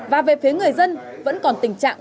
và về phía người dân vẫn còn tình trạng